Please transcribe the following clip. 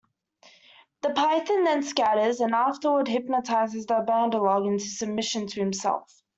The python then scatters, and afterward hypnotises the Bandar-log into submission to himself.